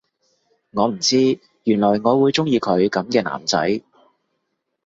我唔知原來我會鍾意佢噉嘅男仔